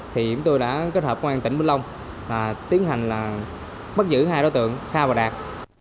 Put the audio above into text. thì chúng tôi đã kết hợp công an tỉnh vĩnh long và tiến hành bắt giữ hai đối tượng kha và đạt